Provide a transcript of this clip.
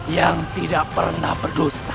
yang tidak pernah berdusta